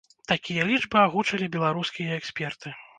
Такія лічбы агучылі беларускія эксперты.